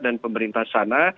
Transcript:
dan pemerintah sana